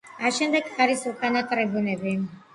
აშენდება კარის უკანა ტრიბუნები.